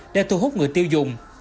để thu hút người tiêu dùng